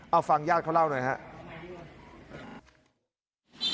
เอาฟังญาติเขาเล่าหน่อยครับ